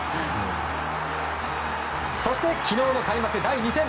そして昨日の開幕第２戦